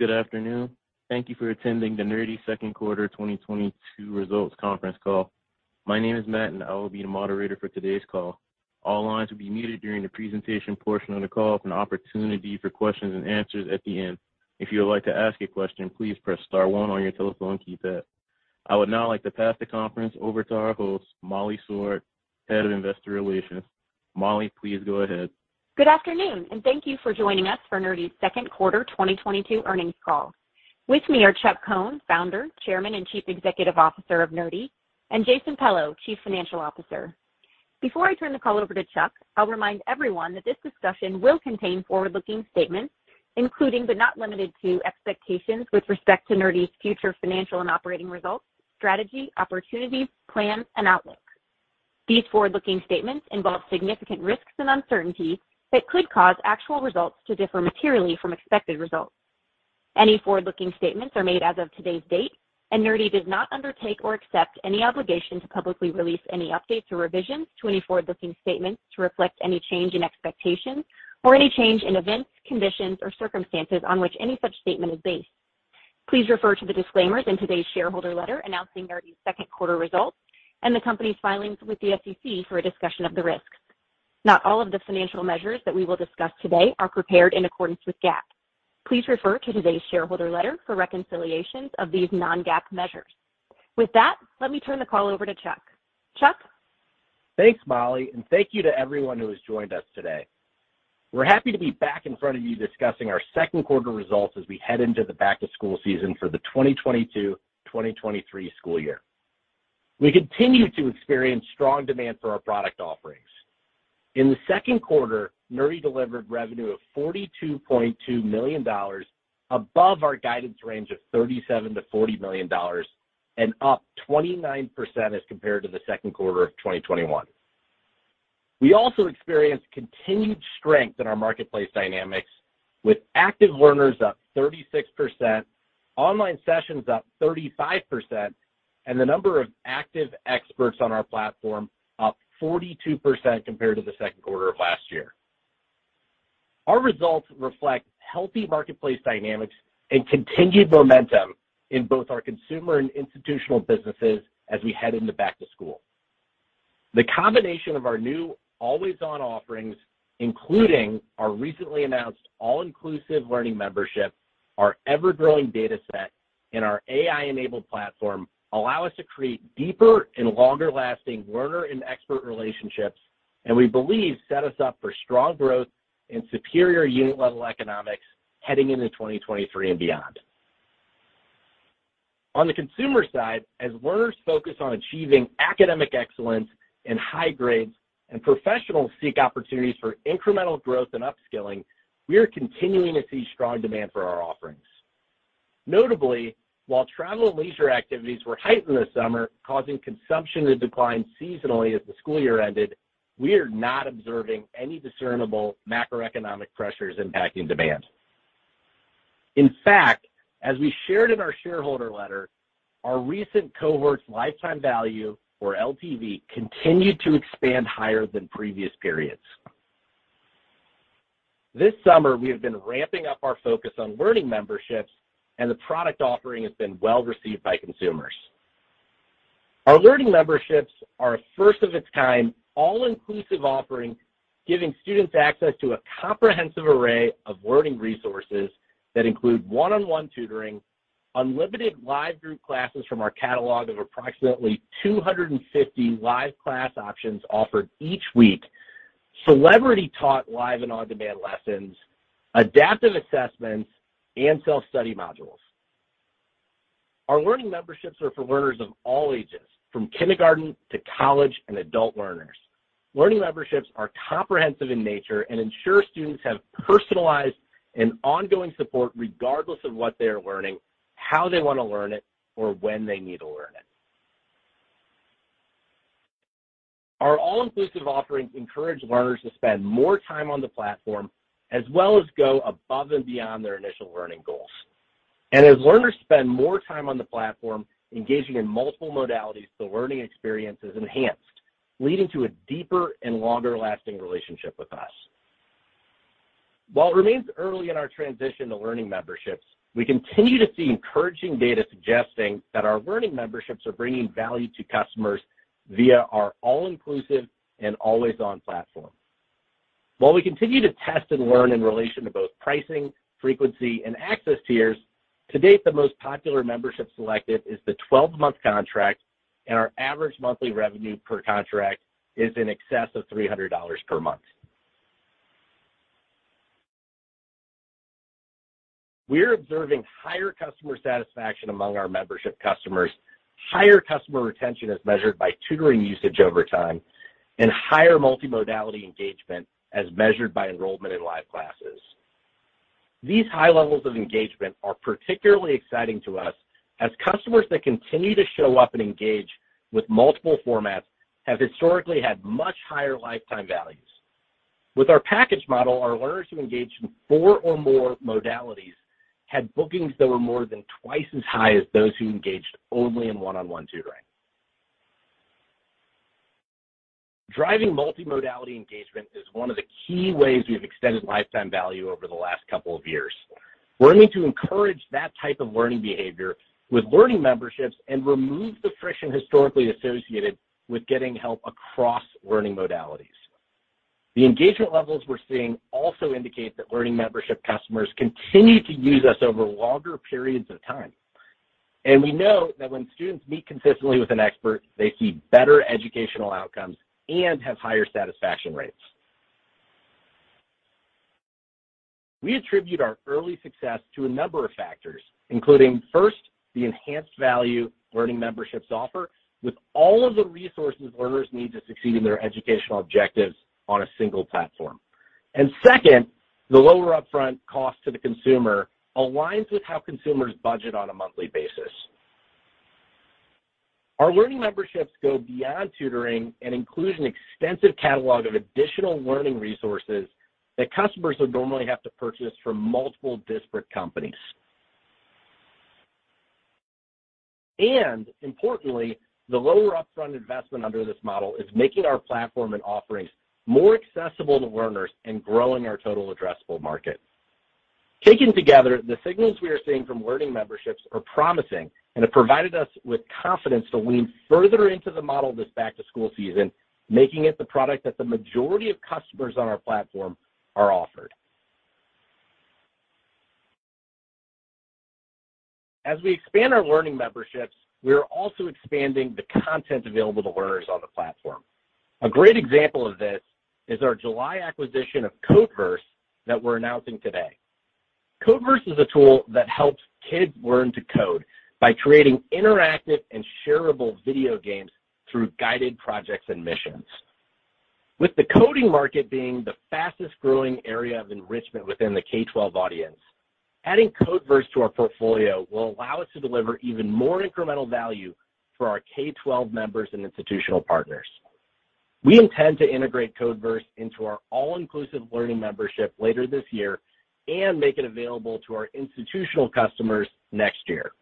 Good afternoon. Thank you for attending the Nerdy Q2 2022 results conference call. My name is Matt, and I will be the moderator for today's call. All lines will be muted during the presentation portion of the call with an opportunity for questions and answers at the end. If you would like to ask a question, please press star one on your telephone keypad. I would now like to pass the conference over to our host, Molly Sorg, Head of Investor Relations. Molly, please go ahead. Good afternoon, and thank you for joining us for Nerdy's Q2 2022 earnings call. With me are Chuck Cohn, Founder, Chairman, and Chief Executive Officer of Nerdy, and Jason Pello, Chief Financial Officer. Before I turn the call over to Chuck, I'll remind everyone that this discussion will contain forward-looking statements, including, but not limited to, expectations with respect to Nerdy's future financial and operating results, strategy, opportunities, plans, and outlooks. These forward-looking statements involve significant risks and uncertainties that could cause actual results to differ materially from expected results. Any forward-looking statements are made as of today's date, and Nerdy does not undertake or accept any obligation to publicly release any updates or revisions to any forward-looking statements to reflect any change in expectations or any change in events, conditions, or circumstances on which any such statement is based. Please refer to the disclaimers in today's shareholder letter announcing Nerdy's Q2 results and the company's filings with the SEC for a discussion of the risks. Not all of the financial measures that we will discuss today are prepared in accordance with GAAP. Please refer to today's shareholder letter for reconciliations of these non-GAAP measures. With that, let me turn the call over to Chuck. Chuck? Thanks, Molly, and thank you to everyone who has joined us today. We're happy to be back in front of you discussing our Q2 results as we head into the back-to-school season for the 2022/2023 school year. We continue to experience strong demand for our product offerings. In the Q2, Nerdy delivered revenue of $42.2 million, above our guidance range of $37 million-$40 million, and up 29% as compared to the Q2 of 2021. We also experienced continued strength in our marketplace dynamics, with active learners up 36%, online sessions up 35%, and the number of active experts on our platform up 42% compared to the Q2 of last year. Our results reflect healthy marketplace dynamics and continued momentum in both our consumer and institutional businesses as we head into back to school. The combination of our new always-on offerings, including our recently announced all-inclusive learning membership, our ever-growing data set, and our AI-enabled platform, allow us to create deeper and longer-lasting learner and expert relationships, and we believe set us up for strong growth and superior unit-level economics heading into 2023 and beyond. On the consumer side, as learners focus on achieving academic excellence and high grades, and professionals seek opportunities for incremental growth and upskilling, we are continuing to see strong demand for our offerings. Notably, while travel and leisure activities were heightened this summer, causing consumption to decline seasonally as the school year ended, we are not observing any discernible macroeconomic pressures impacting demand. In fact, as we shared in our shareholder letter, our recent cohort's lifetime value, or LTV, continued to expand higher than previous periods. This summer, we have been ramping up our focus on Learning Memberships, and the product offering has been well-received by consumers. Our Learning Memberships are a first-of-its-kind, all-inclusive offering, giving students access to a comprehensive array of learning resources that include one-on-one tutoring, unlimited live group classes from our catalog of approximately 250 live class options offered each week, celebrity-taught live and on-demand lessons, adaptive assessments, and self-study modules. Our Learning Memberships are for learners of all ages, from kindergarten to college and adult learners. Learning Memberships are comprehensive in nature and ensure students have personalized and ongoing support regardless of what they are learning, how they want to learn it, or when they need to learn it. Our all-inclusive offerings encourage learners to spend more time on the platform, as well as go above and beyond their initial learning goals. As learners spend more time on the platform, engaging in multiple modalities, the learning experience is enhanced, leading to a deeper and longer-lasting relationship with us. While it remains early in our transition to Learning Memberships, we continue to see encouraging data suggesting that our Learning Memberships are bringing value to customers via our all-inclusive and always-on platform. While we continue to test and learn in relation to both pricing, frequency, and access tiers, to date, the most popular membership selected is the 12-month contract, and our average monthly revenue per contract is in excess of $300 per month. We are observing higher customer satisfaction among our membership customers, higher customer retention as measured by tutoring usage over time, and higher multimodality engagement as measured by enrollment in live classes. These high levels of engagement are particularly exciting to us, as customers that continue to show up and engage with multiple formats have historically had much higher lifetime values. With our package model, our learners who engaged in four or more modalities had bookings that were more than twice as high as those who engaged only in one-on-one tutoring. Driving multimodality engagement is one of the key ways we have extended lifetime value over the last couple of years. We're going to encourage that type of learning behavior with Learning Memberships and remove the friction historically associated with getting help across learning modalities. The engagement levels we're seeing also indicate that Learning Memberships customers continue to use us over longer periods of time. We know that when students meet consistently with an Expert, they see better educational outcomes and have higher satisfaction rates. We attribute our early success to a number of factors, including, first, the enhanced value Learning Memberships offer with all of the resources learners need to succeed in their educational objectives on a single platform. Second, the lower upfront cost to the consumer aligns with how consumers budget on a monthly basis. Our Learning Memberships go beyond tutoring and include an extensive catalog of additional learning resources that customers would normally have to purchase from multiple disparate companies. Importantly, the lower upfront investment under this model is making our platform and offerings more accessible to learners and growing our total addressable market. Taken together, the signals we are seeing from Learning Memberships are promising and have provided us with confidence to lean further into the model this back-to-school season, making it the product that the majority of customers on our platform are offered. As we expand our Learning Memberships, we are also expanding the content available to learners on the platform. A great example of this is our July acquisition of Codeverse that we're announcing today. Codeverse is a tool that helps kids learn to code by creating interactive and shareable video games through guided projects and missions. With the coding market being the fastest-growing area of enrichment within the K-12 audience, adding Codeverse to our portfolio will allow us to deliver even more incremental value for our K-12 members and institutional partners. We intend to integrate Codeverse into our all-inclusive Learning Membership later this year and make it available to our institutional customers next year.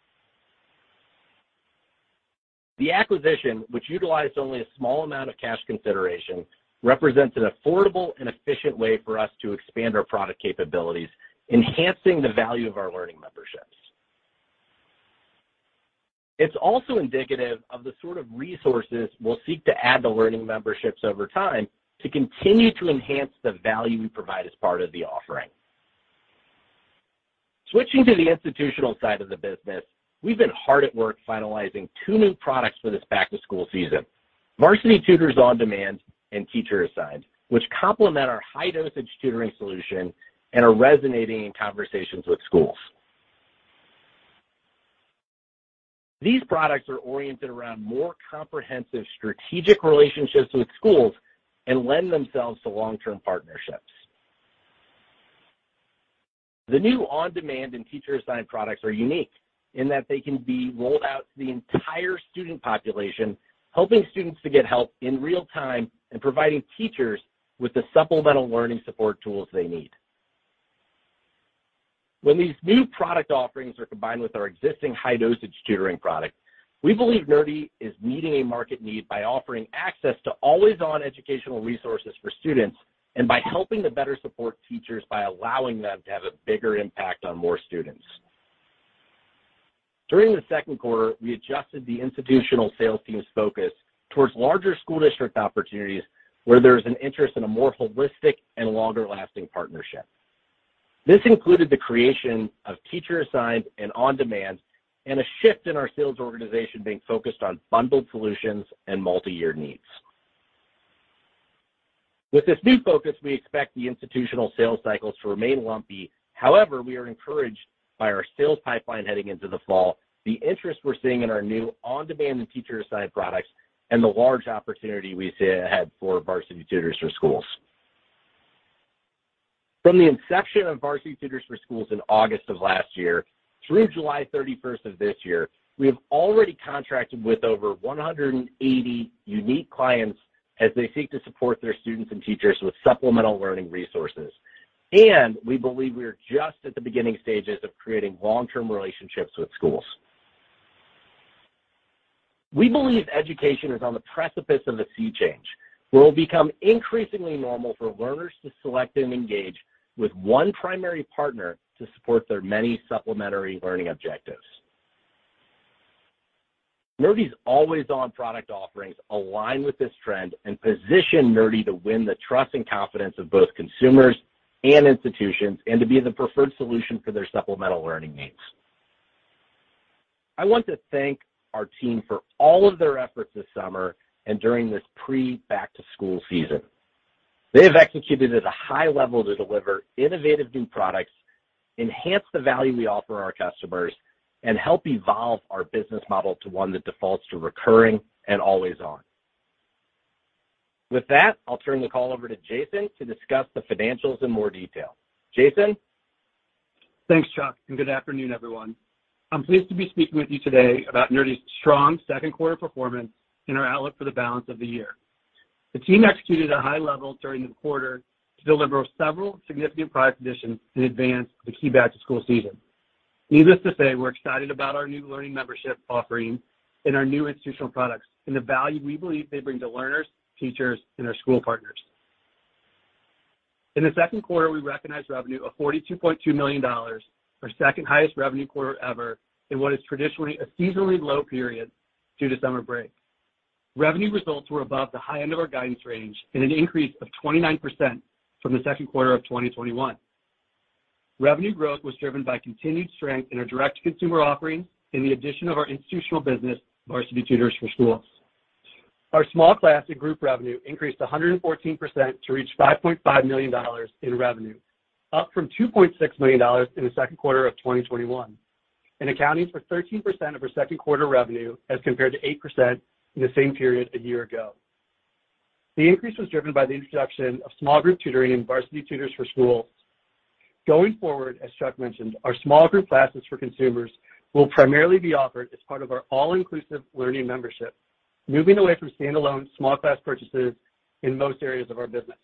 The acquisition, which utilized only a small amount of cash consideration, represents an affordable and efficient way for us to expand our product capabilities, enhancing the value of our Learning Memberships. It's also indicative of the sort of resources we'll seek to add to Learning Memberships over time to continue to enhance the value we provide as part of the offering. Switching to the institutional side of the business, we've been hard at work finalizing two new products for this back-to-school season. Varsity Tutors On-Demand and Teacher Assigned, which complement our high-dosage tutoring solution and are resonating in conversations with schools. These products are oriented around more comprehensive strategic relationships with schools and lend themselves to long-term partnerships. The new On-Demand and Teacher Assigned products are unique in that they can be rolled out to the entire student population, helping students to get help in real time and providing teachers with the supplemental learning support tools they need. When these new product offerings are combined with our existing high-dosage tutoring product, we believe Nerdy is meeting a market need by offering access to always-on educational resources for students and by helping to better support teachers by allowing them to have a bigger impact on more students. During the Q2, we adjusted the institutional sales team's focus towards larger school district opportunities where there is an interest in a more holistic and longer-lasting partnership. This included the creation of Teacher Assigned and On Demand and a shift in our sales organization being focused on bundled solutions and multiyear needs. With this new focus, we expect the institutional sales cycles to remain lumpy. However, we are encouraged by our sales pipeline heading into the fall, the interest we're seeing in our new On Demand and Teacher Assigned products, and the large opportunity we see ahead for Varsity Tutors for Schools. From the inception of Varsity Tutors for Schools in August of last year through July 31st of this year, we have already contracted with over 180 unique clients as they seek to support their students and teachers with supplemental learning resources. We believe we are just at the beginning stages of creating long-term relationships with schools. We believe education is on the precipice of a sea change, where it will become increasingly normal for learners to select and engage with one primary partner to support their many supplementary learning objectives. Nerdy's always-on product offerings align with this trend and position Nerdy to win the trust and confidence of both consumers and institutions, and to be the preferred solution for their supplemental learning needs. I want to thank our team for all of their efforts this summer and during this pre-back-to-school season. They have executed at a high level to deliver innovative new products, enhance the value we offer our customers, and help evolve our business model to one that defaults to recurring and always on. With that, I'll turn the call over to Jason to discuss the financials in more detail. Jason? Thanks, Chuck, and good afternoon, everyone. I'm pleased to be speaking with you today about Nerdy's strong Q2 performance and our outlook for the balance of the year. The team executed at a high level during the quarter to deliver several significant product additions in advance of the key back-to-school season. Needless to say, we're excited about our new learning membership offering and our new institutional products and the value we believe they bring to learners, teachers, and our school partners. In the Q2, we recognized revenue of $42.2 million, our second highest revenue quarter ever in what is traditionally a seasonally low period due to summer break. Revenue results were above the high end of our guidance range and an increase of 29% from the Q2 of 2021. Revenue growth was driven by continued strength in our direct-to-consumer offerings and the addition of our institutional business, Varsity Tutors for Schools. Our small class and group revenue increased 114% to reach $5.5 million in revenue, up from $2.6 million in the Q2 of 2021, and accounting for 13% of our Q2 revenue as compared to 8% in the same period a year ago. The increase was driven by the introduction of small group tutoring in Varsity Tutors for Schools. Going forward, as Chuck mentioned, our small group classes for consumers will primarily be offered as part of our all-inclusive learning membership, moving away from standalone small class purchases in most areas of our business.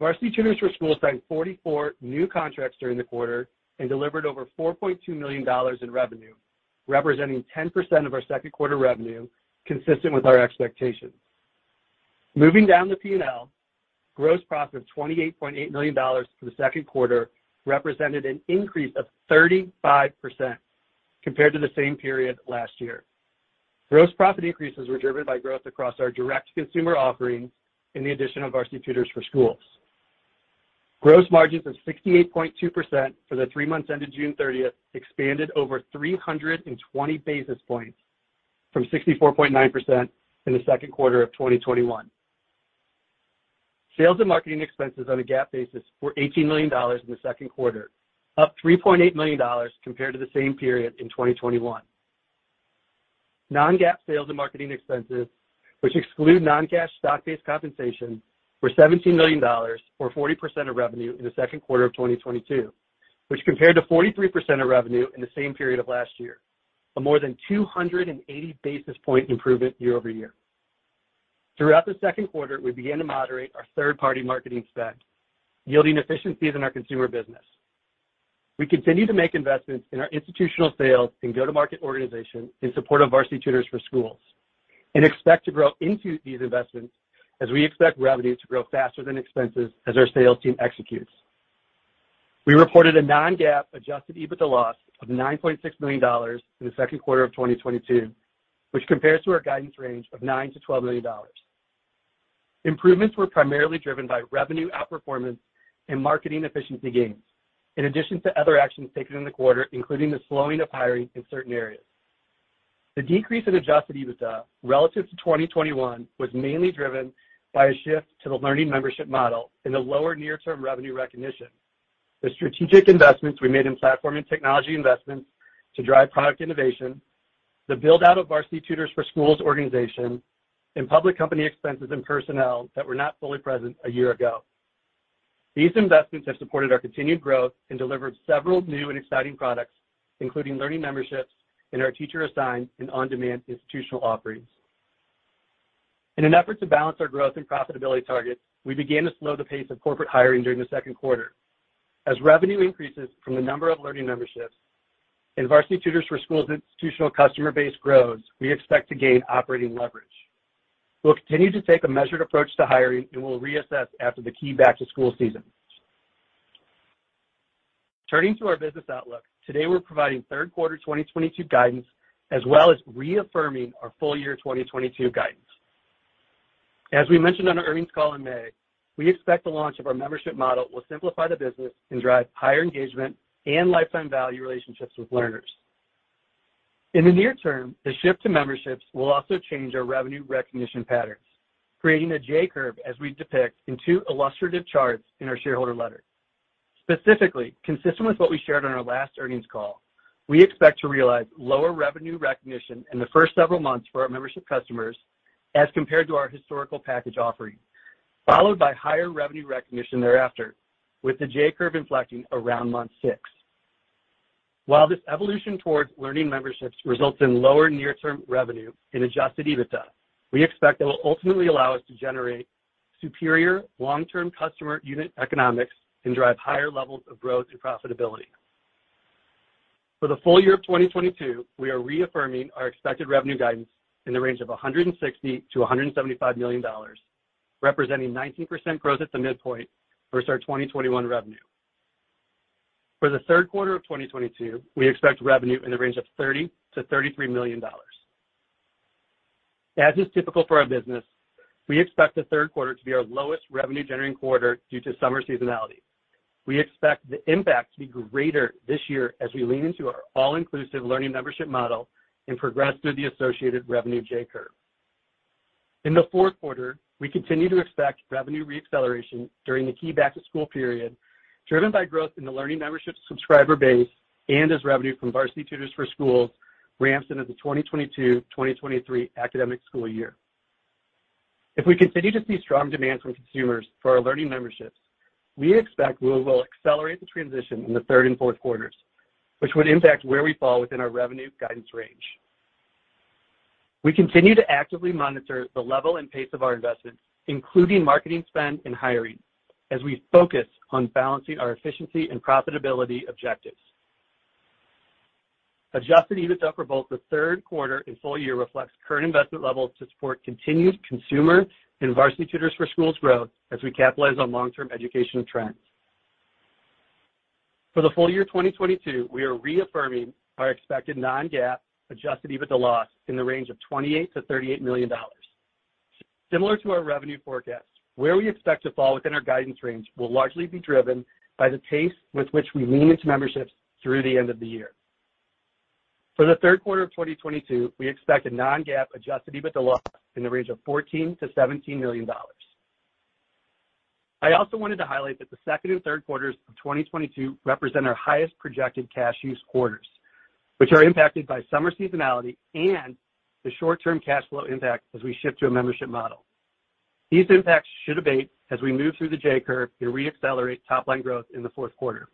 Varsity Tutors for Schools signed 44 new contracts during the quarter and delivered over $4.2 million in revenue, representing 10% of our Q2 revenue, consistent with our expectations. Moving down the P&L, gross profit of $28.8 million for the Q2 represented an increase of 35% compared to the same period last year. Gross profit increases were driven by growth across our direct-to-consumer offerings and the addition of Varsity Tutors for Schools. Gross margins of 68.2% for the three months ended June thirtieth expanded over 320 basis points from 64.9% in the Q2 of 2021. Sales and marketing expenses on a GAAP basis were $18 million in the Q2, up $3.8 million compared to the same period in 2021. non-GAAP sales and marketing expenses, which exclude non-cash stock-based compensation, were $17 million, or 40% of revenue in the Q2 of 2022, which compared to 43% of revenue in the same period of last year, a more than 280 basis points improvement year-over-year. Throughout the Q2, we began to moderate our third-party marketing spend, yielding efficiencies in our consumer business. We continue to make investments in our institutional sales and go-to-market organization in support of Varsity Tutors for Schools, and expect to grow into these investments as we expect revenue to grow faster than expenses as our sales team executes. We reported a non-GAAP adjusted EBITDA loss of $9.6 million in the Q2 of 2022, which compares to our guidance range of $9 million-$12 million. Improvements were primarily driven by revenue outperformance and marketing efficiency gains, in addition to other actions taken in the quarter, including the slowing of hiring in certain areas. The decrease in adjusted EBITDA relative to 2021 was mainly driven by a shift to the learning membership model and the lower near-term revenue recognition, the strategic investments we made in platform and technology investments to drive product innovation, the build-out of Varsity Tutors for Schools organization, and public company expenses and personnel that were not fully present a year ago. These investments have supported our continued growth and delivered several new and exciting products, including Learning Memberships and our Teacher Assigned and On Demand institutional offerings. In an effort to balance our growth and profitability targets, we began to slow the pace of corporate hiring during the Q2. As revenue increases from the number of Learning Memberships and Varsity Tutors for Schools institutional customer base grows, we expect to gain operating leverage. We'll continue to take a measured approach to hiring, and we'll reassess after the key back-to-school season. Turning to our business outlook, today we're providing Q3 2022 guidance as well as reaffirming our full year 2022 guidance. As we mentioned on our earnings call in May, we expect the launch of our membership model will simplify the business and drive higher engagement and lifetime value relationships with learners. In the near term, the shift to memberships will also change our revenue recognition patterns, creating a J-curve as we depict in two illustrative charts in our shareholder letter. Specifically, consistent with what we shared on our last earnings call, we expect to realize lower revenue recognition in the first several months for our membership customers as compared to our historical package offering, followed by higher revenue recognition thereafter, with the J-curve inflecting around month six. While this evolution towards learning memberships results in lower near-term revenue and adjusted EBITDA, we expect it will ultimately allow us to generate superior long-term customer unit economics and drive higher levels of growth and profitability. For the full year of 2022, we are reaffirming our expected revenue guidance in the range of $160 million-$175 million, representing 19% growth at the midpoint versus our 2021 revenue. For the Q3 of 2022, we expect revenue in the range of $30 million-$33 million. As is typical for our business, we expect the Q3 to be our lowest revenue-generating quarter due to summer seasonality. We expect the impact to be greater this year as we lean into our all-inclusive Learning Membership model and progress through the associated revenue J-curve. In the Q4, we continue to expect revenue re-acceleration during the key back-to-school period, driven by growth in the Learning Membership subscriber base and as revenue from Varsity Tutors for Schools ramps into the 2022-2023 academic school year. If we continue to see strong demand from consumers for our Learning Memberships, we expect we will accelerate the transition in the third and Q4s, which would impact where we fall within our revenue guidance range. We continue to actively monitor the level and pace of our investment, including marketing spend and hiring, as we focus on balancing our efficiency and profitability objectives. Adjusted EBITDA for both the Q3 and full year reflects current investment levels to support continued consumer and Varsity Tutors for Schools growth as we capitalize on long-term educational trends. For the full year 2022, we are reaffirming our expected non-GAAP adjusted EBITDA loss in the range of $28 million-$38 million. Similar to our revenue forecast, where we expect to fall within our guidance range will largely be driven by the pace with which we lean into memberships through the end of the year. For the Q3 of 2022, we expect a non-GAAP adjusted EBITDA loss in the range of $14 million-$17 million. I also wanted to highlight that the second and Q3s of 2022 represent our highest projected cash use quarters, which are impacted by summer seasonality and the short-term cash flow impact as we shift to a membership model. These impacts should abate as we move through the J-curve and reaccelerate top line growth in the Q4.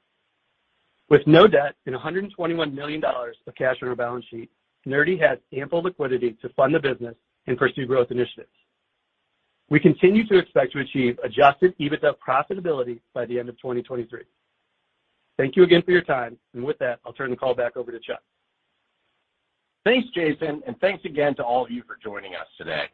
With no debt and $121 million of cash on our balance sheet, Nerdy has ample liquidity to fund the business and pursue growth initiatives. We continue to expect to achieve adjusted EBITDA profitability by the end of 2023. Thank you again for your time. With that, I'll turn the call back over to Chuck. Thanks, Jason, and thanks again to all of you for joining us today.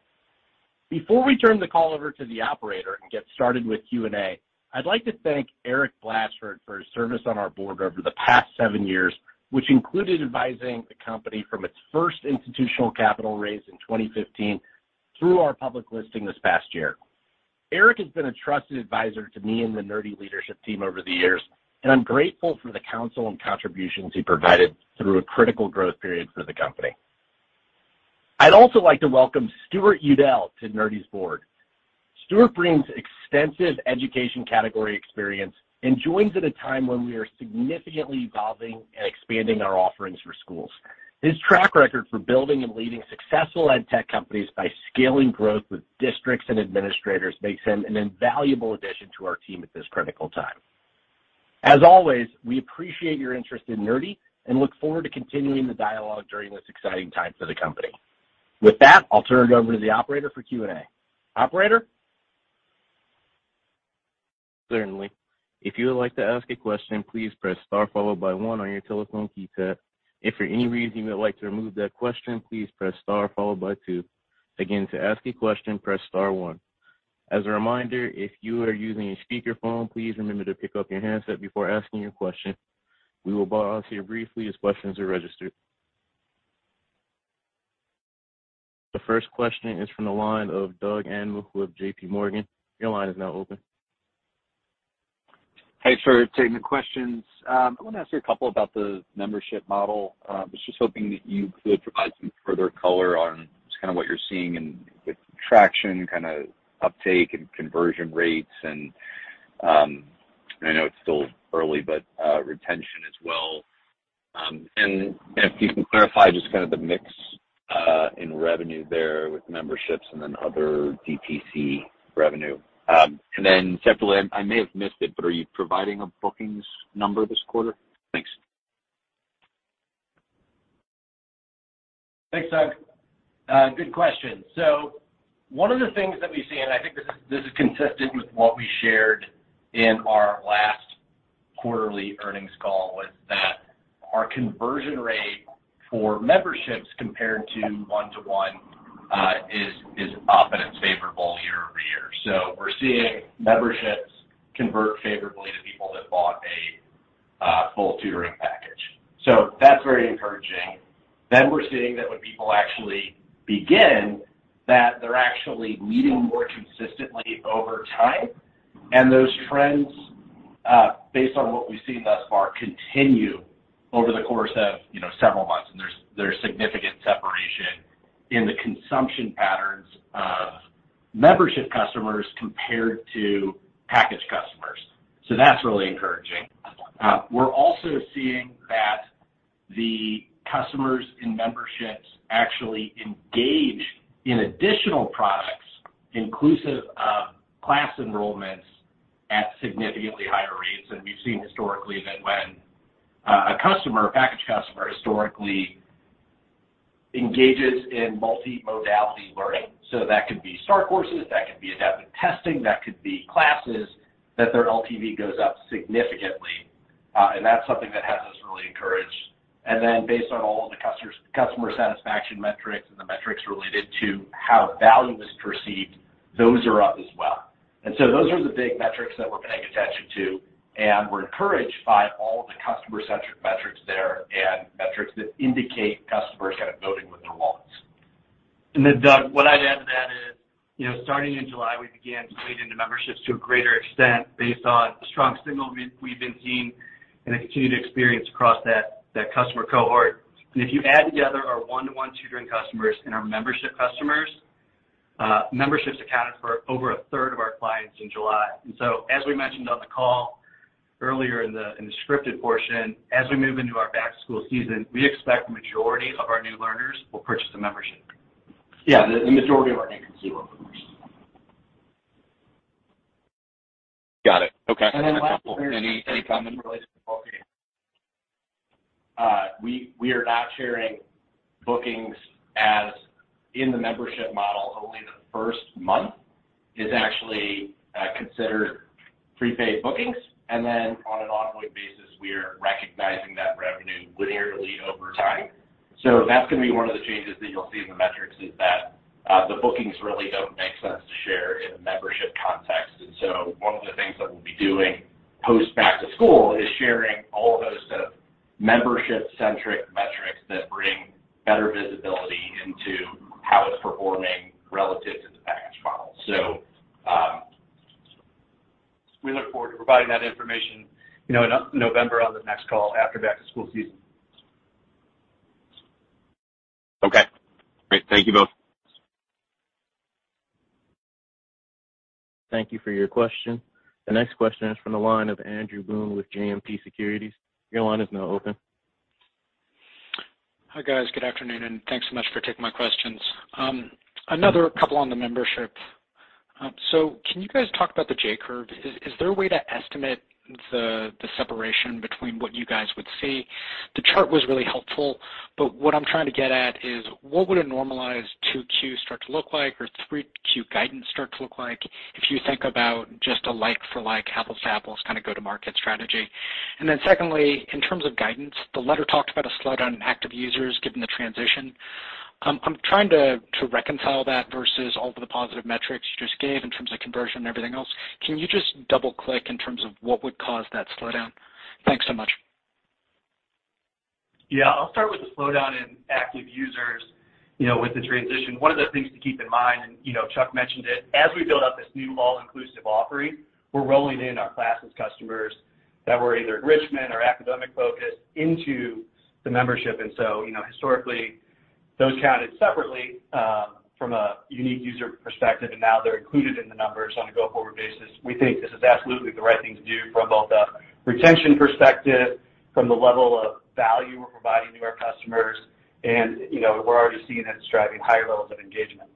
Before we turn the call over to the operator and get started with Q&A, I'd like to thank Erik Blachford for his service on our board over the past seven years, which included advising the company from its first institutional capital raise in 2015 through our public listing this past year. Erik has been a trusted advisor to me and the Nerdy leadership team over the years, and I'm grateful for the counsel and contributions he provided through a critical growth period for the company. I'd also like to welcome Stuart Udell to Nerdy's board. Stuart brings extensive education category experience and joins at a time when we are significantly evolving and expanding our offerings for schools. His track record for building and leading successful ed tech companies by scaling growth with districts and administrators makes him an invaluable addition to our team at this critical time. As always, we appreciate your interest in Nerdy and look forward to continuing the dialogue during this exciting time for the company. With that, I'll turn it over to the operator for Q&A. Operator? Certainly. If you would like to ask a question, please press star followed by one on your telephone keypad. If for any reason you would like to remove that question, please press star followed by two. Again, to ask a question, press star one. As a reminder, if you are using a speakerphone, please remember to pick up your handset before asking your question. We will pause here briefly as questions are registered. The first question is from the line of Doug Anmuth with J.P. Morgan. Your line is now open. Thanks for taking the questions. I wanna ask you a couple about the membership model. I was just hoping that you could provide some further color on just kinda what you're seeing in with traction, kinda uptake, and conversion rates. I know it's still early, but retention as well. If you can clarify just kind of the mix in revenue there with memberships and then other DTC revenue. Then separately, I may have missed it, but are you providing a bookings number this quarter? Thanks. Thanks, Doug. Good question. One of the things that we see, and I think this is consistent with what we shared in our last quarterly earnings call, was that our conversion rate for memberships compared to one-to-one is up and it's favorable year over year. We're seeing memberships convert favorably to people that bought a full tutoring package. That's very encouraging. We're seeing that when people actually begin, that they're actually meeting more consistently over time. Those trends, based on what we've seen thus far, continue over the course of, you know, several months. There's significant separation in the consumption patterns of membership customers compared to package customers. That's really encouraging. We're also seeing that the customers in memberships actually engage in additional products, inclusive of class enrollments, at significantly higher rates. We've seen historically that when a customer, a package customer engages in multimodal learning, so that could be StarCourses, that could be adaptive testing, that could be classes, that their LTV goes up significantly. That's something that has us really encouraged. Then based on all of the customer satisfaction metrics and the metrics related to how value is perceived, those are up as well. Those are the big metrics that we're paying attention to, and we're encouraged by all the customer-centric metrics there and metrics that indicate customers kind of voting with their wallets. Doug, what I'd add to that is, you know, starting in July, we began to lean into memberships to a greater extent based on the strong signal we've been seeing and have continued to experience across that customer cohort. If you add together our one-to-one tutoring customers and our membership customers, memberships accounted for over a third of our clients in July. As we mentioned on the call earlier in the scripted portion, as we move into our back-to-school season, we expect the majority of our new learners will purchase a membership. Yeah, the majority of our inquiries Last, any comment related to bookings. We are not sharing bookings as in the membership model. Only the first month is actually considered prepaid bookings. On an ongoing basis, we are recognizing that revenue linearly over time. That's gonna be one of the changes that you'll see in the metrics is that the bookings really don't make sense to share in a membership context. One of the things that we'll be doing post back-to-school is sharing all of those sort of membership-centric metrics that bring better visibility into how it's performing relative to the package model. We look forward to providing that information, you know, in November on the next call after back-to-school season. Okay. Great. Thank you both. Thank you for your question. The next question is from the line of Andrew Boone with JMP Securities. Your line is now open. Hi, guys. Good afternoon, and thanks so much for taking my questions. Another couple on the membership. So can you guys talk about the J-curve? Is there a way to estimate the separation between what you guys would see? The chart was really helpful, but what I'm trying to get at is what would a normalized 2Q start to look like or 3Q guidance start to look like if you think about just a like for like, apples to apples kind of go-to-market strategy. Then secondly, in terms of guidance, the letter talked about a slowdown in active users given the transition. I'm trying to reconcile that versus all of the positive metrics you just gave in terms of conversion and everything else. Can you just double-click in terms of what would cause that slowdown? Thanks so much. Yeah. I'll start with the slowdown in active users, you know, with the transition. One of the things to keep in mind, and, you know, Chuck mentioned it, as we build out this new all-inclusive offering, we're rolling in our classes customers that were either enrichment or academic-focused into the membership. You know, historically, those counted separately from a unique user perspective, and now they're included in the numbers on a go-forward basis. We think this is absolutely the right thing to do from both a retention perspective, from the level of value we're providing to our customers. You know, we're already seeing that it's driving higher levels of engagement.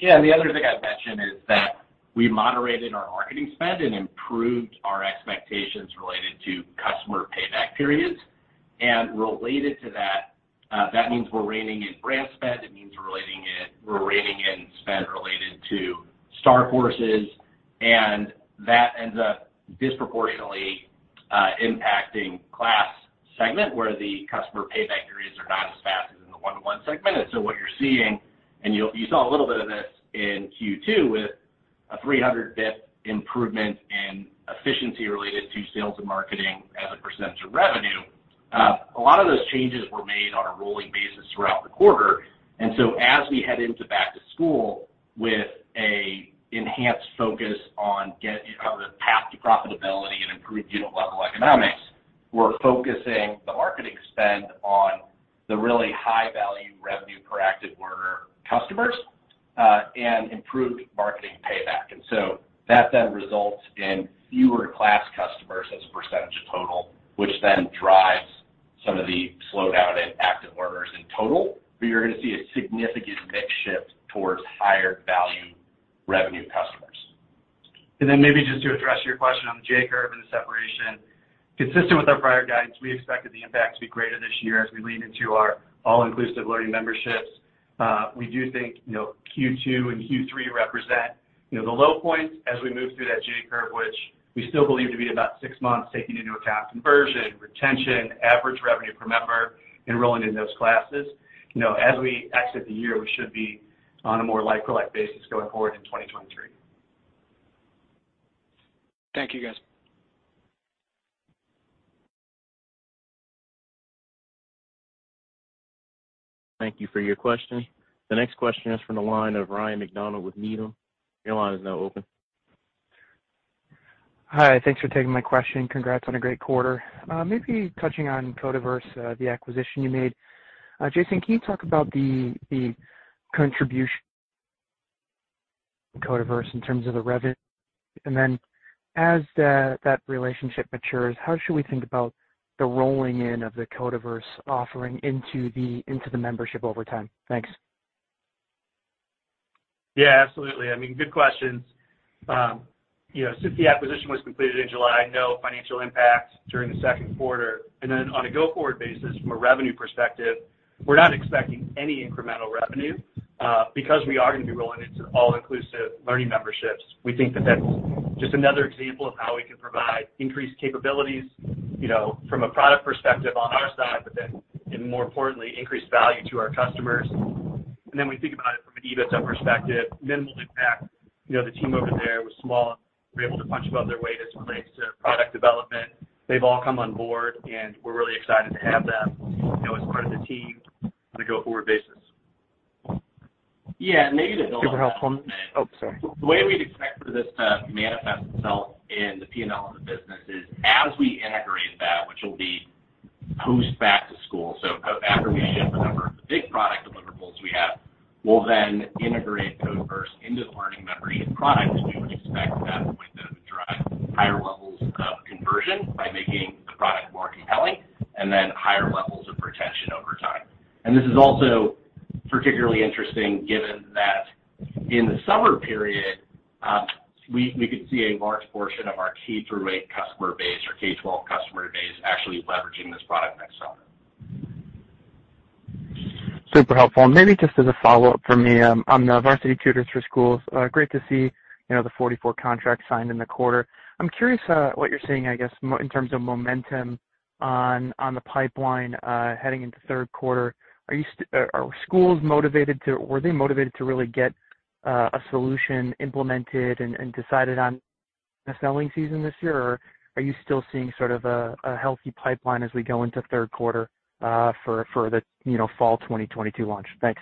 The other thing I'd mention is that we moderated our marketing spend and improved our expectations related to customer payback periods. Related to that means we're reining in brand spend. It means we're reining in spend related to StarCourses. That ends up disproportionately impacting class segment where the customer payback periods are not as fast as in the one-on-one segment. What you're seeing, you saw a little bit of this in Q2 with a 300 basis points improvement in efficiency related to sales and marketing as a percentage of revenue. A lot of those changes were made on a rolling basis throughout the quarter. As we head into back to school with an enhanced focus on the path to profitability and improved unit level economics, we're focusing the marketing spend on the really high-value revenue per active learner customers, and improved marketing payback. That then results in fewer class customers as a percentage of total, which then drives some of the slowdown in active learners in total. You're gonna see a significant mix shift towards higher value revenue customers. Maybe just to address your question on the J-curve and the separation. Consistent with our prior guidance, we expected the impact to be greater this year as we lean into our all-inclusive Learning Memberships. We do think, you know, Q2 and Q3 represent, you know, the low points as we move through that J-curve, which we still believe to be about six months taking into account conversion, retention, average revenue per member enrolling in those classes. You know, as we exit the year, we should be on a more like for like basis going forward in 2023. Thank you, guys. Thank you for your question. The next question is from the line of Ryan MacDonald with Needham. Your line is now open. Hi. Thanks for taking my question. Congrats on a great quarter. Maybe touching on Codeverse, the acquisition you made. Jason, can you talk about the contribution Codeverse in terms of the revenue? As that relationship matures, how should we think about the rolling in of the Codeverse offering into the membership over time? Thanks. Yeah, absolutely. I mean, good questions. You know, since the acquisition was completed in July, no financial impact during the Q2. On a go-forward basis from a revenue perspective, we're not expecting any incremental revenue, because we are gonna be rolling into all-inclusive Learning Memberships. We think that that's just another example of how we can provide increased capabilities, you know, from a product perspective on our side, but then, and more importantly, increase value to our customers. We think about it from an EBITDA perspective, minimal impact. You know, the team over there was small. We're able to punch above their weight as it relates to product development. They've all come on board, and we're really excited to have them, you know, as part of the team on a go-forward basis. Yeah. Maybe to build on that. Super helpful. Oh, sorry. The way we'd expect for this to manifest itself in the P&L of the business is as we integrate that, which will be post-back-to-school, so after we ship a number of the big product deliverables we have, we'll then integrate Codeverse into the Learning Memberships product. We would expect that's going to drive higher levels of conversion by making the product more compelling and then higher levels. This is also particularly interesting given that in the summer period, we could see a large portion of our K-through-8 customer base or K-12 customer base actually leveraging this product next summer. Super helpful. Maybe just as a follow-up from me, on the Varsity Tutors for Schools, great to see, you know, the 44 contracts signed in the quarter. I'm curious, what you're seeing, I guess, in terms of momentum on the pipeline, heading into Q3. Were they motivated to really get a solution implemented and decided on the selling season this year? Or are you still seeing sort of a healthy pipeline as we go into Q3, for the, you know, fall 2022 launch? Thanks.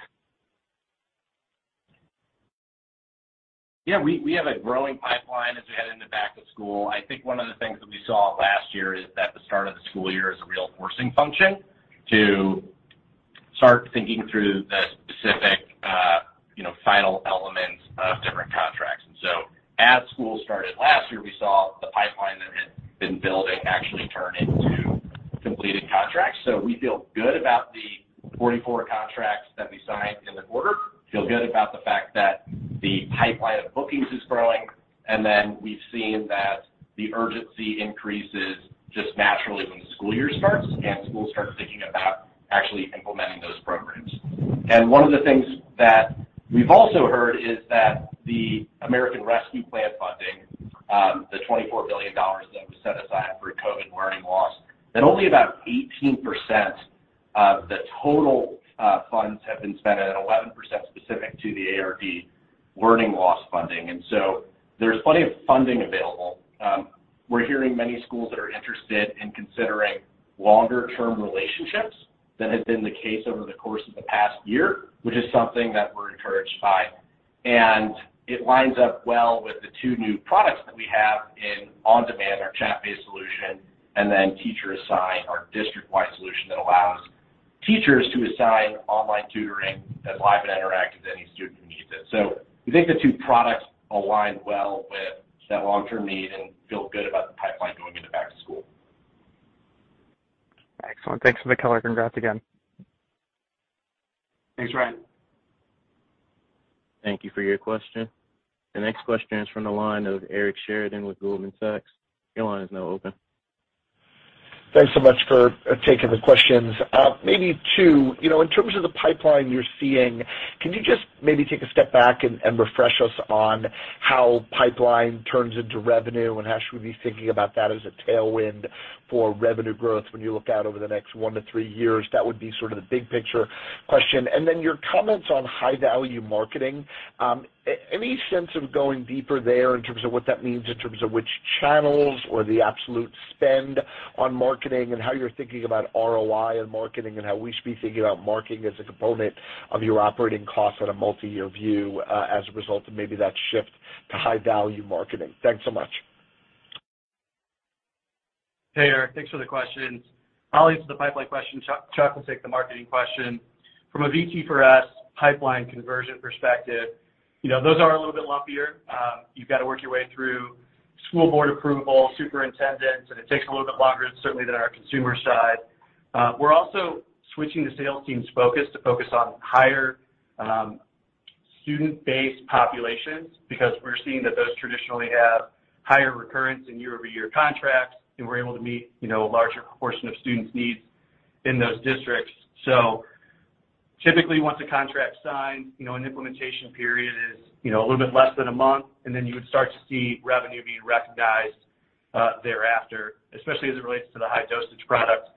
Yeah, we have a growing pipeline as we head into back to school. I think one of the things that we saw last year is that the start of the school year is a real forcing function to start thinking through the specific, you know, final elements of different contracts. As school started last year, we saw the pipeline that had been building actually turn into completed contracts. We feel good about the 44 contracts that we signed in the quarter, feel good about the fact that the pipeline of bookings is growing. We've seen that the urgency increases just naturally when the school year starts, and schools start thinking about actually implementing those programs. One of the things that we've also heard is that the American Rescue Plan funding, the $24 billion that was set aside for COVID learning loss, that only about 18% of the total funds have been spent, and 11% specific to the ARP learning loss funding. There's plenty of funding available. We're hearing many schools that are interested in considering longer-term relationships than has been the case over the course of the past year, which is something that we're encouraged by. It lines up well with the two new products that we have in On Demand, our chat-based solution, and then Teacher Assigned, our district-wide solution that allows teachers to assign online tutoring that's live and interactive to any student who needs it. We think the two products align well with that long-term need and feel good about the pipeline going into back to school. Excellent. Thanks for the color. Congrats again. Thanks, Ryan. Thank you for your question. The next question is from the line of Eric Sheridan with Goldman Sachs. Your line is now open. Thanks so much for taking the questions. Maybe two. You know, in terms of the pipeline you're seeing, can you just maybe take a step back and refresh us on how pipeline turns into revenue and how should we be thinking about that as a tailwind for revenue growth when you look out over the next 1-3 years? That would be sort of the big picture question. Your comments on high-value marketing, any sense of going deeper there in terms of what that means in terms of which channels or the absolute spend on marketing and how you're thinking about ROI and marketing and how we should be thinking about marketing as a component of your operating costs on a multi-year view, as a result of maybe that shift to high-value marketing. Thanks so much. Hey, Eric. Thanks for the questions. I'll answer the pipeline question. Chuck will take the marketing question. From a VT for Schools pipeline conversion perspective, you know, those are a little bit lumpier. You've got to work your way through school board approval, superintendents, and it takes a little bit longer certainly than our consumer side. We're also switching the sales team's focus to higher student-based populations because we're seeing that those traditionally have higher recurrence in year-over-year contracts, and we're able to meet, you know, a larger proportion of students' needs in those districts. Typically, once a contract's signed, you know, an implementation period is, you know, a little bit less than a month, and then you would start to see revenue being recognized thereafter, especially as it relates to the high-dosage products.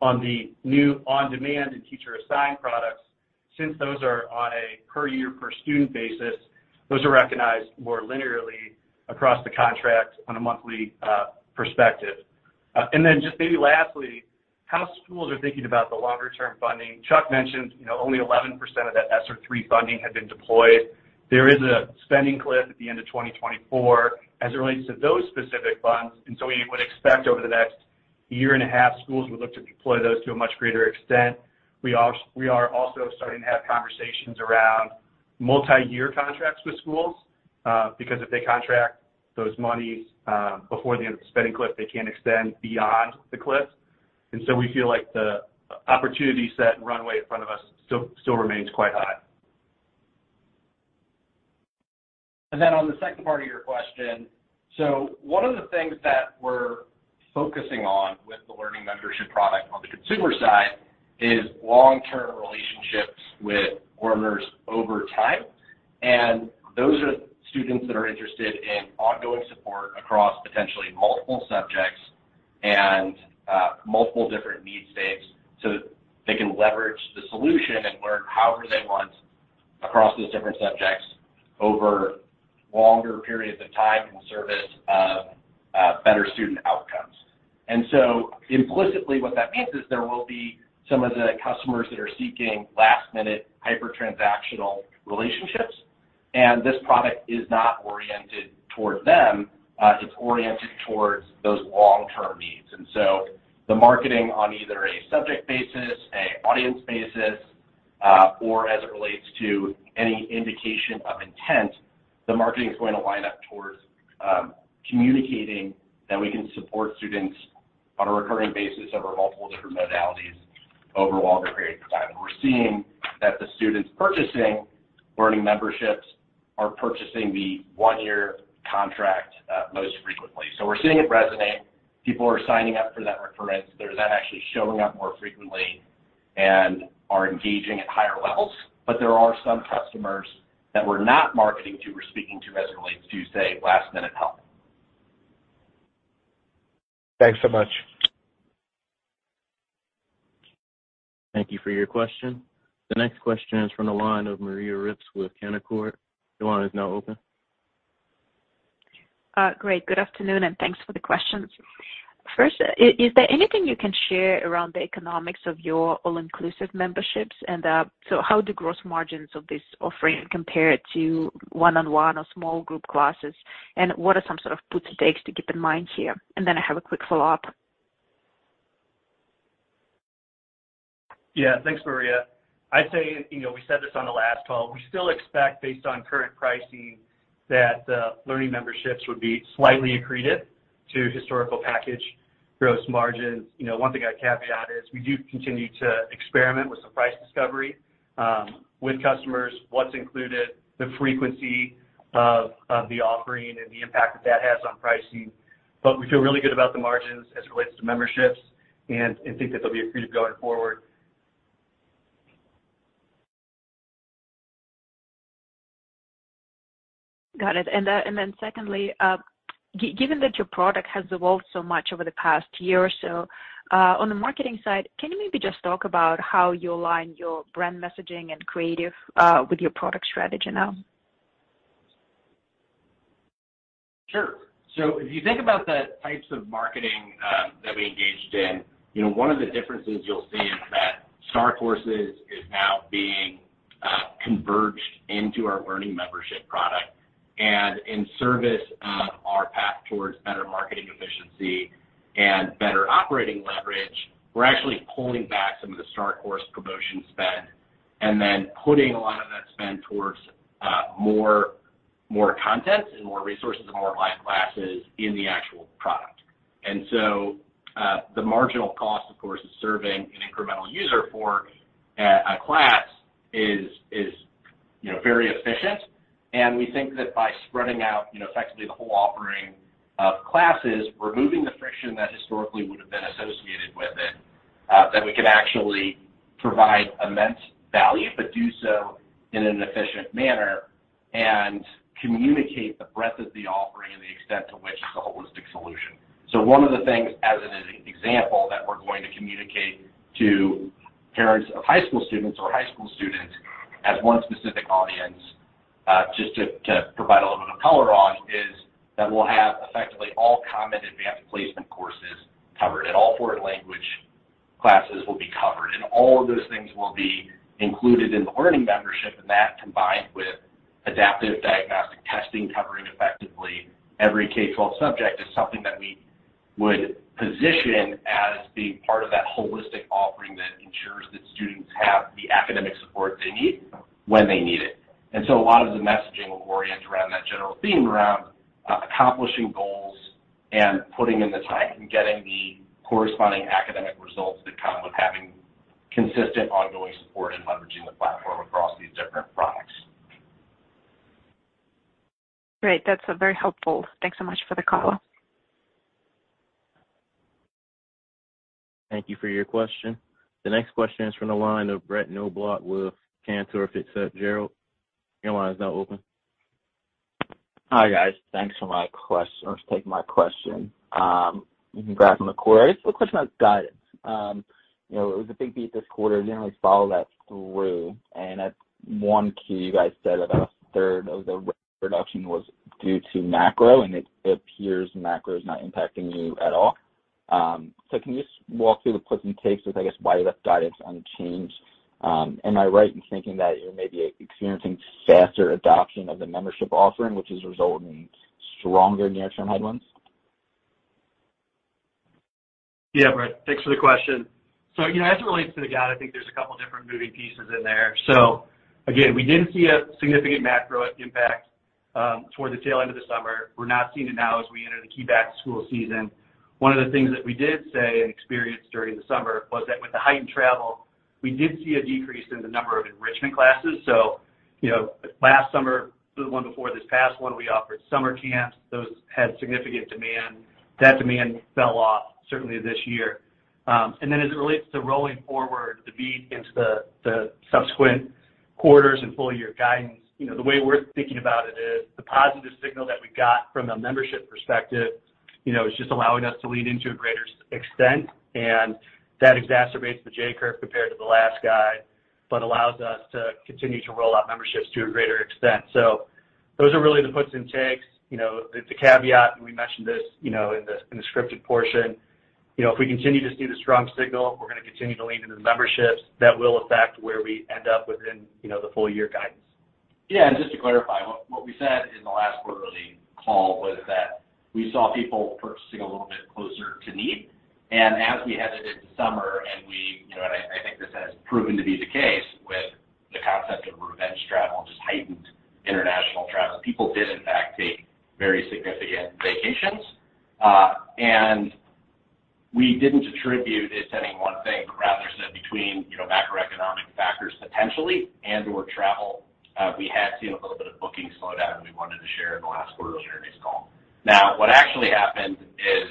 On the new On Demand and Teacher Assigned products, since those are on a per year per student basis, those are recognized more linearly across the contract on a monthly perspective. Just maybe lastly, how schools are thinking about the longer-term funding. Chuck mentioned, you know, only 11% of that ESSER III funding had been deployed. There is a spending cliff at the end of 2024 as it relates to those specific funds, and so we would expect over the next year and a half, schools would look to deploy those to a much greater extent. We are also starting to have conversations around multi-year contracts with schools, because if they contract those monies, before the end of the spending cliff, they can extend beyond the cliff. We feel like the opportunity set and runway in front of us still remains quite high. On the second part of your question, one of the things that we're focusing on with the Learning Memberships product on the consumer side is long-term relationships with learners over time. Those are students that are interested in ongoing support across potentially multiple subjects and multiple different need states so they can leverage the solution and learn however they want across those different subjects over longer periods of time in service of better student outcomes. Implicitly, what that means is there will be some of the customers that are seeking last-minute hyper-transactional relationships, and this product is not oriented toward them, it's oriented towards those long-term needs. The marketing on either a subject basis, an audience basis or as it relates to any indication of intent, the marketing is going to line up towards communicating that we can support students on a recurring basis over multiple different modalities over a longer period of time. We're seeing that the students purchasing Learning Memberships are purchasing the one-year contract most frequently. We're seeing it resonate. People are signing up for that recurrence. They're then actually showing up more frequently and are engaging at higher levels. There are some customers that we're not marketing to, we're speaking to as it relates to, say, last-minute help. Thanks so much. Thank you for your question. The next question is from the line of Maria Ripps with Canaccord. Your line is now open. Great. Good afternoon, and thanks for the questions. First, is there anything you can share around the economics of your all-inclusive memberships? How do gross margins of this offering compare to one-on-one or small group classes? What are some sort of puts and takes to keep in mind here? I have a quick follow-up. Yeah. Thanks, Maria. I'd say, you know, we said this on the last call. We still expect based on current pricing that Learning Memberships would be slightly accretive to historical package gross margins. You know, one thing I'd caveat is we do continue to experiment with some price discovery with customers, what's included, the frequency of the offering and the impact that that has on pricing. We feel really good about the margins as it relates to memberships and think that they'll be accretive going forward. Got it. Secondly, given that your product has evolved so much over the past year or so, on the marketing side, can you maybe just talk about how you align your brand messaging and creative with your product strategy now? Sure. If you think about the types of marketing that we engaged in, you know, one of the differences you'll see is that StarCourses is now being converged into our Learning Memberships product. In service of our path towards better marketing efficiency and better operating leverage, we're actually pulling back some of the StarCourse promotion spend and then putting a lot of that spend towards more content and more resources and more live classes in the actual product. The marginal cost, of course, is serving an incremental user for a class is you know, very efficient. We think that by spreading out, you know, effectively the whole offering of classes, removing the friction that historically would have been associated with it, that we can actually provide immense value, but do so in an efficient manner and communicate the breadth of the offering and the extent to which it's a holistic solution. One of the things, as an example, that we're going to communicate to parents of high school students or high school students as one specific audience, just to provide a little bit of color on, is that we'll have effectively all common advanced placement courses covered, and all foreign language classes will be covered, and all of those things will be included in the Learning Membership. That combined with adaptive diagnostic testing, covering effectively every K-12 subject, is something that we would position as being part of that holistic offering that ensures that students have the academic support they need when they need it. A lot of the messaging will orient around that general theme, around accomplishing goals and putting in the time and getting the corresponding academic results that come with having consistent ongoing support and leveraging the platform across these different products. Great. That's very helpful. Thanks so much for the color. Thank you for your question. The next question is from the line of Brett Knoblauch with Cantor Fitzgerald. Your line is now open. Hi, guys. Thanks for taking my question. Congrats on the quarter. I just have a question about guidance. You know, it was a big beat this quarter. Didn't really follow that through. At one key, you guys said about a third of the reduction was due to macro, and it appears macro is not impacting you at all. Can you just walk through the puts and takes with, I guess, why you left guidance unchanged? Am I right in thinking that you may be experiencing faster adoption of the membership offering, which is resulting in stronger near-term headwinds? Yeah, Brett. Thanks for the question. You know, as it relates to the guide, I think there's a couple different moving pieces in there. Again, we didn't see a significant macro impact toward the tail end of the summer. We're not seeing it now as we enter the key back-to-school season. One of the things that we did say and experience during the summer was that with the heightened travel, we did see a decrease in the number of enrichment classes. You know, last summer to the one before this past one, we offered summer camps. Those had significant demand. That demand fell off certainly this year. As it relates to rolling forward the beat into the subsequent quarters and full-year guidance, you know, the way we're thinking about it is the positive signal that we got from a membership perspective, you know, is just allowing us to lean into a greater extent. That exacerbates the J-curve compared to the last guide, but allows us to continue to roll out memberships to a greater extent. Those are really the puts and takes. You know, it's a caveat, and we mentioned this, you know, in the scripted portion. You know, if we continue to see the strong signal, we're gonna continue to lean into the memberships. That will affect where we end up within, you know, the full-year guidance. Yeah. Just to clarify, what we said in the last quarterly call was that we saw people purchasing a little bit closer to need. As we headed into summer, you know, I think this has proven to be the case with the concept of revenge travel, just heightened international travel, people did in fact take very significant vacations. We didn't attribute it to any one thing, but rather said between, you know, macroeconomic factors potentially and/or travel, we had seen a little bit of booking slowdown that we wanted to share in the last quarter's earnings call. Now, what actually happened is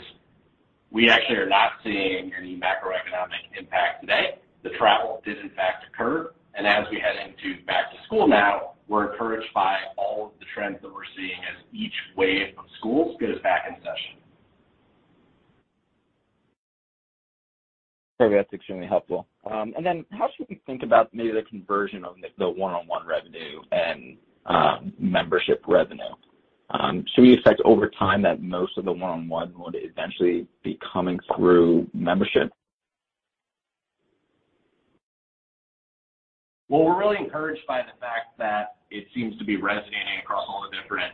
we actually are not seeing any macroeconomic impact today. The travel did in fact occur, and as we head into back to school now, we're encouraged by all of the trends that we're seeing as each wave of schools get us back in session. Okay. That's extremely helpful. How should we think about maybe the conversion of the one-on-one revenue and membership revenue? Should we expect over time that most of the one-on-one would eventually be coming through membership? Well, we're really encouraged by the fact that it seems to be resonating across all the different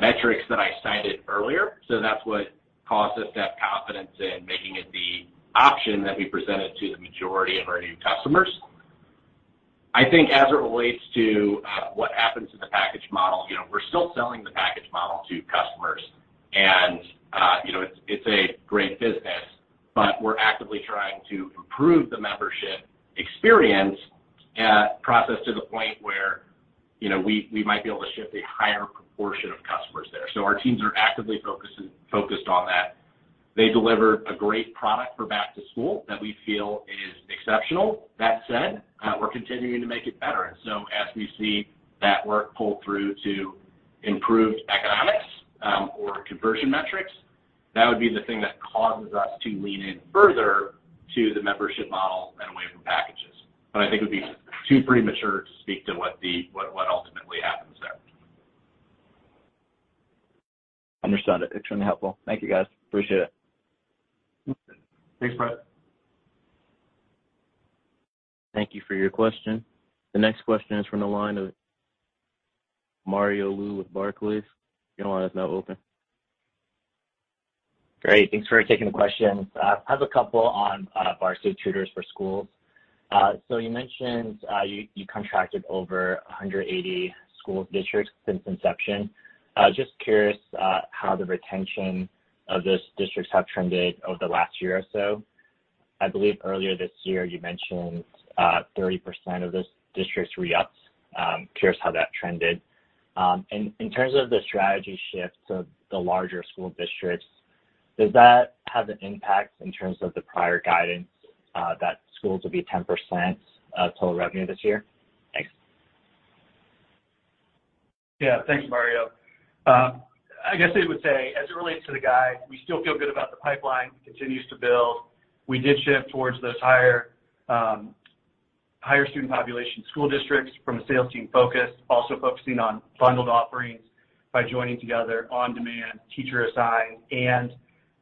metrics that I cited earlier. That's what caused us to have confidence in making it the option that we presented to the majority of our new customers. I think as it relates to what happens to the package model, you know, we're still selling the package model to customers and, you know, it's a great business, but we're actively trying to improve the membership experience, process to the point where, you know, we might be able to shift a higher proportion of customers there. Our teams are actively focused on that. They delivered a great product for back to school that we feel is exceptional. That said, we're continuing to make it better. As we see that work pull through to improved economics, or conversion metrics, that would be the thing that causes us to lean in further to the membership model and away from packages. I think it would be too premature to speak to what ultimately happens there. Understand it. Extremely helpful. Thank you, guys. Appreciate it. Thanks, Brett. Thank you for your question. The next question is from the line of Mario Lu with Barclays. Your line is now open. Great. Thanks for taking the questions. I have a couple on Varsity Tutors for Schools. You mentioned you contracted over 180 school districts since inception. I was just curious how the retention of those districts have trended over the last year or so. I believe earlier this year you mentioned 30% of those districts re-ups. Curious how that trended. In terms of the strategy shift to the larger school districts, does that have an impact in terms of the prior guidance that schools will be 10% of total revenue this year? Thanks. Yeah. Thanks, Mario. I guess I would say as it relates to the guide, we still feel good about the pipeline. It continues to build. We did shift towards those higher student population school districts from a sales team focus, also focusing on bundled offerings by joining together On-Demand, Teacher Assigned, and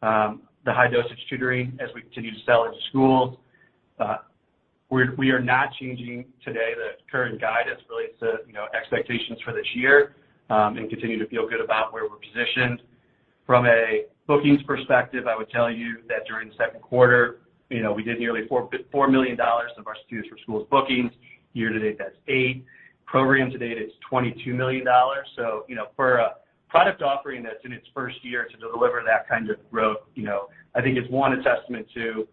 the high-dosage tutoring as we continue to sell into schools. We are not changing today the current guidance relates to, you know, expectations for this year, and continue to feel good about where we're positioned. From a bookings perspective, I would tell you that during the Q2, you know, we did nearly $4 million of Varsity Tutors for Schools bookings. Year-to-date, that's $8 million. Program to date, it's $22 million. You know, for a product offering that's in its first year to deliver that kind of growth, you know, I think is, one, a testament to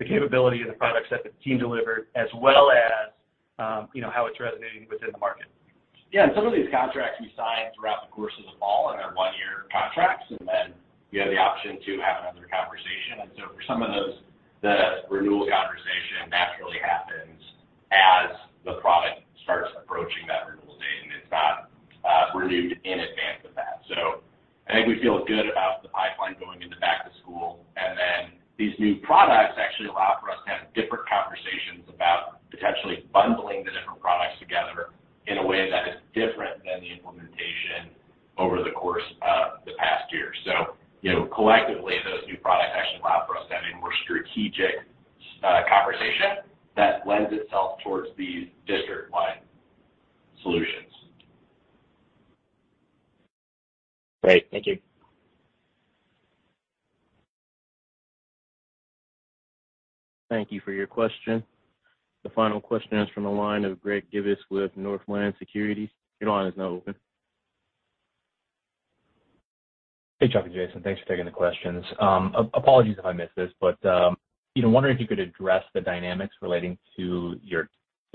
the capability of the products that the team delivered as well as, you know, how it's resonating within the market. Yeah. Some of these contracts we signed throughout the course of the fall are one-year contracts, and then we have the option to have another conversation. For some of those, the renewal conversation naturally happens as the product starts approaching that renewal date, and it's not renewed in advance of that. I think we feel good about the pipeline going into back to school. These new products actually allow for us to have different conversations about potentially bundling the different products together in a way that is different than the implementation over the course of the past year. You know, collectively, those new products actually allow for us to have a more strategic conversation that lends itself towards these district-wide solutions. Great. Thank you. Thank you for your question. The final question is from the line of Greg Gibas with Northland Securities. Your line is now open. Hey, Chuck and Jason. Thanks for taking the questions. Apologies if I missed this, but you know, wondering if you could address the dynamics relating to your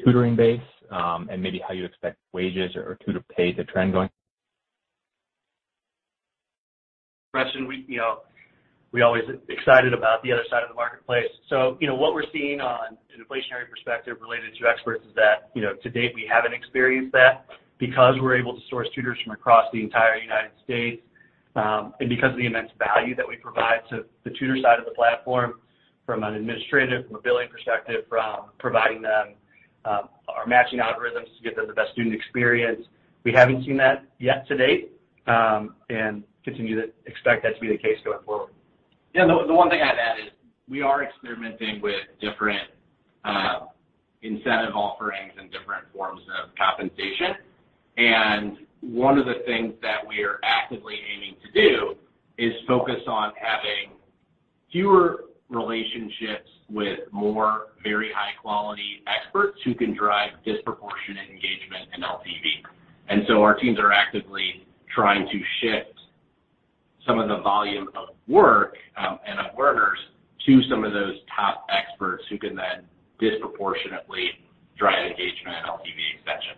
tutoring base, and maybe how you expect wages or tutor pay to trend going. Question. We, you know, we're always excited about the other side of the marketplace. You know, what we're seeing on an inflationary perspective related to Experts is that, you know, to date, we haven't experienced that because we're able to source tutors from across the entire United States, and because of the immense value that we provide to the tutor side of the platform from an administrative, from a billing perspective, from providing them, our matching algorithms to give them the best student experience. We haven't seen that yet to date, and continue to expect that to be the case going forward. Yeah, the one thing I'd add is we are experimenting with different incentive offerings and different forms of compensation. One of the things that we are actively aiming to do is focus on having fewer relationships with more very high-quality experts who can drive disproportionate engagement and LTV. Our teams are actively trying to shift some of the volume of work and of learners to some of those top experts who can then disproportionately drive engagement and LTV expansion.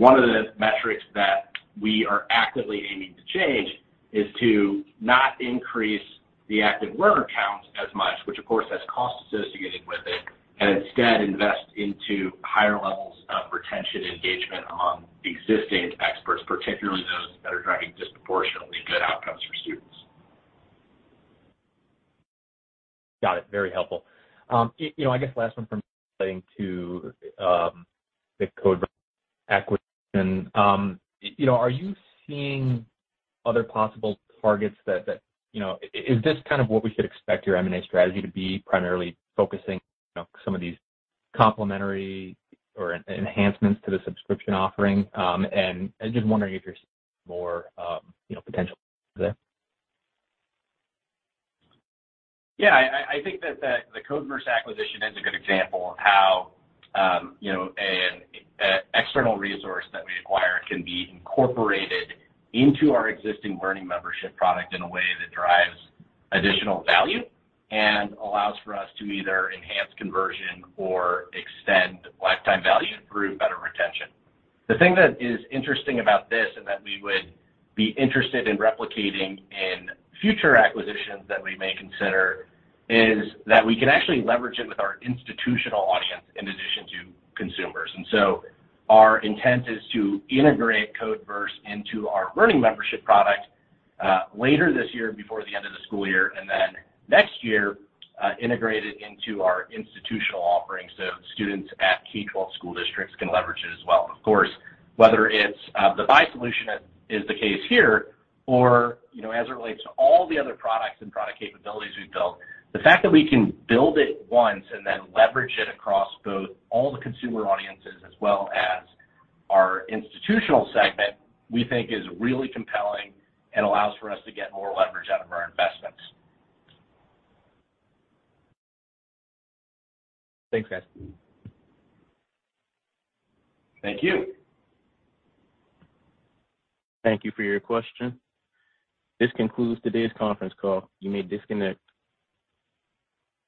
One of the metrics that we are actively aiming to change is to not increase the active learner count as much, which of course has costs associated with it, and instead invest into higher levels of retention and engagement on existing experts, particularly those that are driving disproportionately good outcomes for students. Got it. Very helpful. You know, I guess last one from me relating to the Codeverse acquisition. You know, are you seeing other possible targets that You know, is this kind of what we should expect your M&A strategy to be primarily focusing, you know, some of these complementary or enhancements to the subscription offering? I'm just wondering if you're seeing more, you know, potential there. Yeah, I think that the Codeverse acquisition is a good example of how you know an external resource that we acquire can be incorporated into our existing learning membership product in a way that drives additional value and allows for us to either enhance conversion or extend lifetime value through better retention. The thing that is interesting about this and that we would be interested in replicating in future acquisitions that we may consider is that we can actually leverage it with our institutional audience in addition to consumers. Our intent is to integrate Codeverse into our learning membership product later this year before the end of the school year, and then next year integrate it into our institutional offerings, so students at K-12 school districts can leverage it as well. Of course, whether it's the buy solution as is the case here or, you know, as it relates to all the other products and product capabilities we've built, the fact that we can build it once and then leverage it across both all the consumer audiences as well as our institutional segment, we think is really compelling and allows for us to get more leverage out of our investments. Thanks, guys. Thank you. Thank you for your question. This concludes today's conference call. You may disconnect.